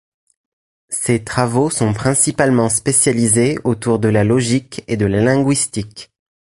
Ses travaux sont principalement spécialisés autour de la logique et de la linguistique.